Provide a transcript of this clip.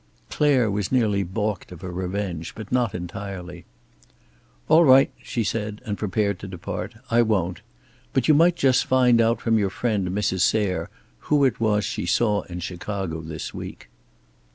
Clare was nearly balked of her revenge, but not entirely. "All right," she said, and prepared to depart. "I won't. But you might just find out from your friend Mrs. Sayre who it was she saw in Chicago this week."